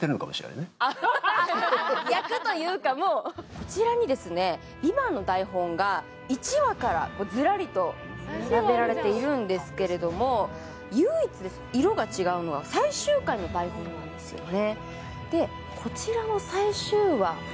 こちらにですね、「ＶＩＶＡＮＴ」の台本が１話からずらりと並べられているんですけれども唯一色が違うのが最終回の台本なんですよね。